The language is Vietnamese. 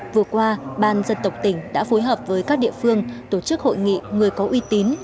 vừa qua ban dân tộc tỉnh đã phối hợp với các địa phương tổ chức hội nghị người có uy tín